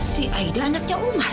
si aida anaknya umar